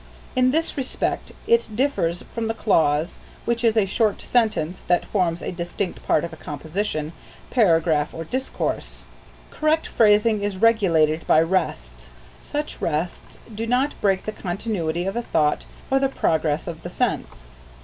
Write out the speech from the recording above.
In this respect it differs from the clause, which is a short sentence that forms a distinct part of a composition, paragraph, or discourse. Correct phrasing is regulated by rests, such rests as do not break the continuity of a thought or the progress of the sense.